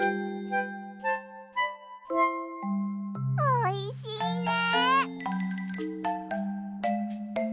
おいしいね。